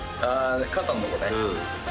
肩のところね。